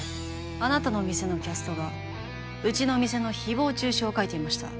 あなたの店のキャストがうちの店の誹謗中傷を書いていました